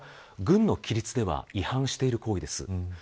これは軍の規律では違反している行為です。